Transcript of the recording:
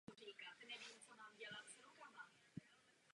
Patří také mezi zakladatele etnografie.